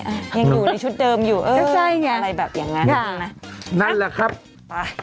อ่ะยังอยู่ในชุดเดิมอยู่เอออะไรแบบอย่างงั้นอย่างงั้นนะนั่นแหละครับป่ะ